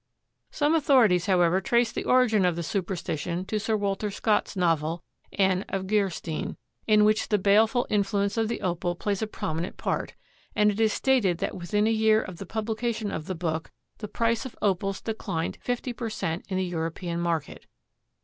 Some authorities, however, trace the origin of the superstition to Sir Walter Scott's novel, "Anne of Geierstein," in which the baleful influence of the Opal plays a prominent part, and it is stated that within a year of the publication of the book the price of Opals declined fifty per cent in the European market.